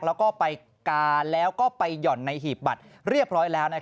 แล้วก็ไปกาแล้วก็ไปหย่อนในหีบบัตรเรียบร้อยแล้ว